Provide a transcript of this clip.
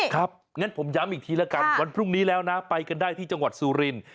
ครับงั้นผมย้ำอีกทีละกันวันพรุ่งนี้แล้วนะไปกันได้ที่จังหวัดสุริน